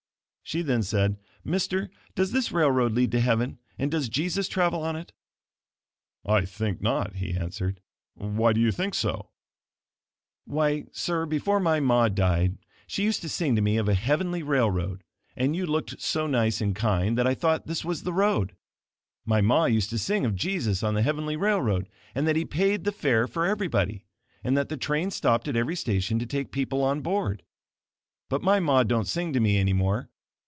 She then said, "Mister, does this railroad lead to heaven, and does Jesus travel on it?" "I think not," he answered, "Why did you think so?" "Why sir, before my ma died she used to sing to me of a heavenly railroad, and you looked so nice and kind that I thought this was the road. My ma used to sing of Jesus on the heavenly railroad, and that He paid the fare for everybody, and that the train stopped at every station to take people on board; but my ma don't sing to me any more.